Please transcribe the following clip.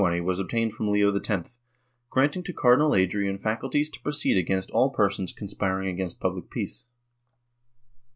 X] ANTONIO PEREZ 263 1520, was obtained from Leo X, granting to Cardinal Adrian faculties to proceed against all persons conspiring against public peace.